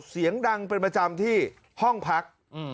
เสียงดังเป็นประจำที่ห้องพัก